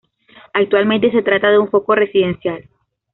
Actualmente se trata de un foco residencial.